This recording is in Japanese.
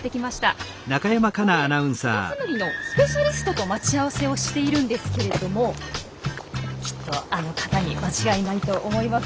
ここでカタツムリのスペシャリストと待ち合わせをしているんですけれどもきっとあの方に間違いないと思います。